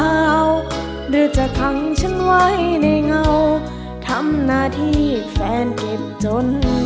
หรือจะขังฉันไว้ในเงาทำหน้าที่แฟนเก็บจน